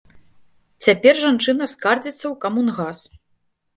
Цяпер жанчына скардзіцца ў камунгас.